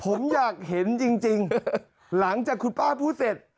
ผมอยากเห็นจริงหลังจากคุณป้าพูดเสร็จ